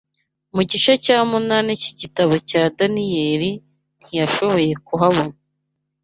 mu gice cya munani cy’igitabo cya Daniyeli ntiyashoboye kuhabona